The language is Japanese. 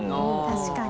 確かに！